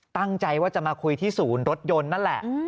ตั้งใจว่าจะมาคุยที่ศูนย์รถยนต์นั่นแหละ